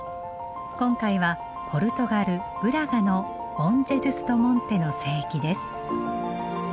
今回はポルトガルブラガのボン・ジェズス・ド・モンテの聖域です。